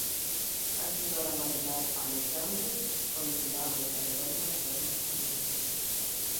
A escritora Marilar Aleixandre conducirá a mesa redonda da segunda xornada.